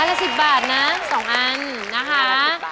อันละ๑๐บาทนะ๒อันนะครับ